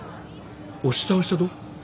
押し倒したと？